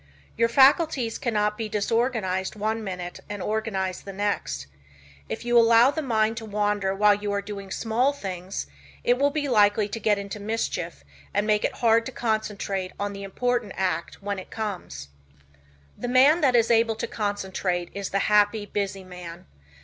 Your faculties cannot be disorganized one minute and organized the next. If you allow the mind to wander while you are doing small things, it will be likely to get into mischief and make it hard to concentrate on the important act when it comes. The man that is able to concentrate is the happy, busy man.